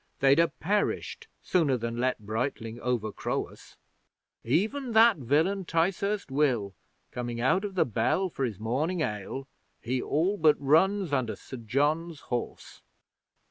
They'd ha' perished sooner than let Brightling overcrow us. Even that villain, Ticehurst Will, coming out of the Bell for his morning ale, he all but runs under Sir John's horse.